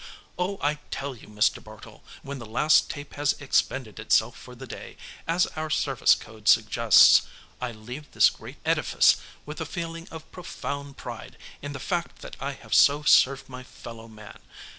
Oh, I tell you, Mr. Bartle, when the last tape has expended itself for the day, as our service code suggests, I leave this great edifice with a feeling of profound pride in the fact that I have so served my fellow man.